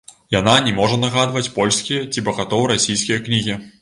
Яна не можа нагадваць польскія ці пагатоў расійскія кнігі.